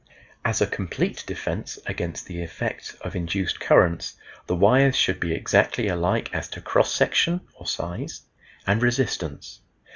As a complete defense against the effects of induced currents the wires should be exactly alike as to cross section (or size) and resistance.